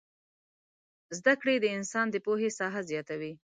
زدکړې د انسان د پوهې ساحه زياتوي